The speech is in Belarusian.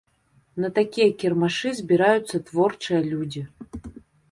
На такія кірмашы збіраюцца творчыя людзі.